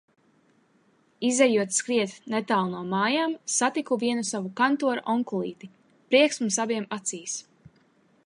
Izejot skriet, netālu no mājām, satiku vienu savu kantora onkulīti. Prieks mums abiem acīs.